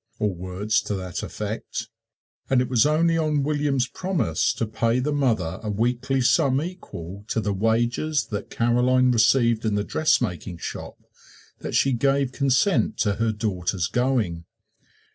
or words to that effect. And it was only on William's promise to pay the mother a weekly sum equal to the wages that Caroline received in the dressmaking shop that she gave consent to her daughter's going.